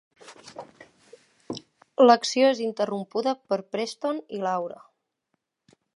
L'acció és interrompuda per Preston i Laura.